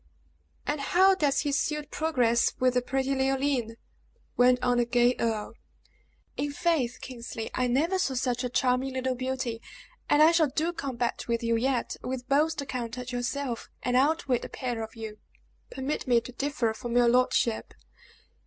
"And how does his suit progress with the pretty Leoline?" went on the gay earl. "In faith, Kingsley, I never saw such a charming little beauty; and I shall do combat with you yet with both the count and yourself, and outwit the pair of you!" "Permit me to differ from your lordship.